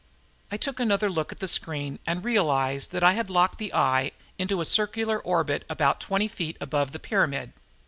I took another look at the screen and realized that I had locked the eye into a circular orbit about twenty feet above the pyramid.